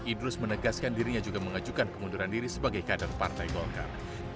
idrus menegaskan dirinya juga mengajukan pengunduran diri sebagai kader partai golkar